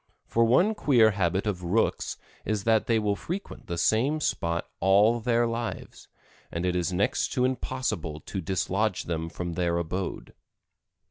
For one queer habit of Rooks is that they will frequent the same spot all their lives, and it is next to impossible to dislodge them from their abode.